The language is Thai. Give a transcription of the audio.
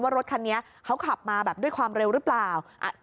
รถคันนี้เขาขับมาแบบด้วยความเร็วหรือเปล่า